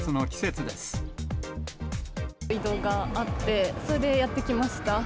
異動があって、それでやって来ました。